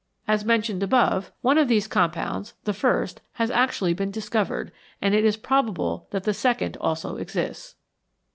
As mentioned above, one of these 37 NATURE'S BUILDING MATERIAL compounds, the first, has actually been discovered, and it is probable that the second also exists.